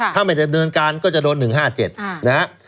ถ้าไม่ได้เงินการก็จะโดน๑๕๗